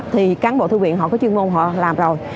thì cán bộ thư viện họ có chuyên môn họ làm rồi